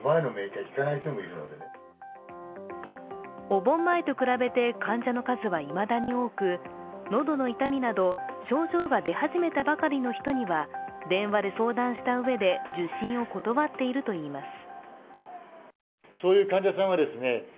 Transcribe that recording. お盆前と比べて患者の数はいまだに多く、喉の痛みなど、症状が出始めたばかりの人には電話で相談したうえで受診を断っているといいます。